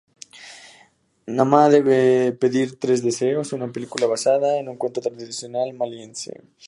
Nama debe pedir tres deseos… Una película basada en un cuento tradicional maliense.